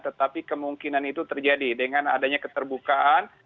tetapi kemungkinan itu terjadi dengan adanya keterbukaan